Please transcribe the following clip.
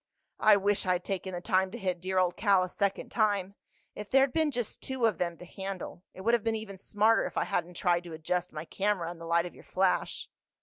"I wish I'd taken the time to hit dear old Cal a second time. If there'd been just two of them to handle—It would have been even smarter if I hadn't tried to adjust my camera in the light of your flash."